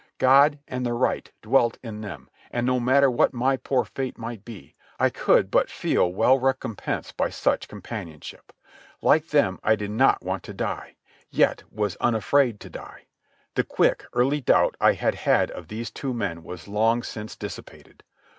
God and the right dwelt in them and no matter what my poor fate might be, I could but feel well recompensed by such companionship. Like them I did not want to die, yet was unafraid to die. The quick, early doubt I had had of these two men was long since dissipated.